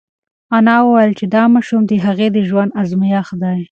انا وویل چې دا ماشوم د هغې د ژوند ازمېښت دی.